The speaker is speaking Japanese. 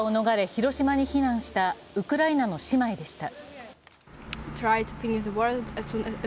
広島に避難したウクライナの姉妹でした。